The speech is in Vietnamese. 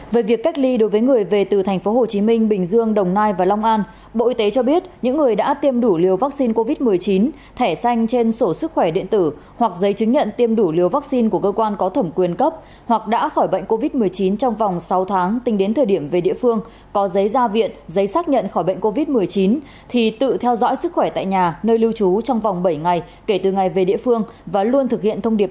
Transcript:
về việc cách ly đối với người về từ tp hcm bình dương đồng nai và long an bộ y tế cho biết những người đã tiêm đủ liều vaccine covid một mươi chín thẻ xanh trên sổ sức khỏe điện tử hoặc giấy chứng nhận tiêm đủ liều vaccine của cơ quan có thẩm quyền cấp hoặc đã khỏi bệnh covid một mươi chín trong vòng sáu tháng tính đến thời điểm về địa phương có giấy ra viện giấy xác nhận khỏi bệnh covid một mươi chín thì tự theo dõi sức khỏe tại nhà nơi lưu trú trong vòng bảy ngày kể từ ngày về địa phương và luôn thực hiện thông điệp năm k